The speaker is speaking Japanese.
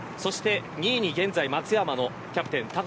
２位に現在松山のキャップテン田川。